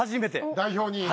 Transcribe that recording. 代表に？